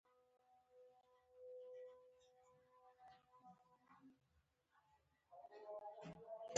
غږېږه ژبه ستا خپله تر اوسه ده